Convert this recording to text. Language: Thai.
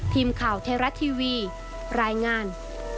พิมพ์ข่าวเทราะท์ทีวีรายงาน